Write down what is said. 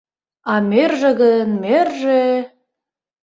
А мӧржӧ гын, мӧржӧ…